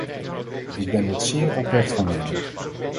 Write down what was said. Ik ben dat zeer oprecht van mening.